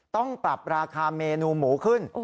ต้องปรับราคาเมนูหมูขึ้น